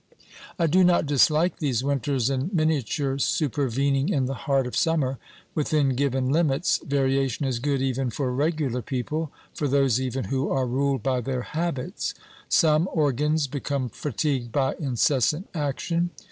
I do not dislike these winters in miniature supervening in the heart of summer. Within given limits, variation is good even for regular people, for those even who are ruled by their habits. Some organs become fatigued by incessant action.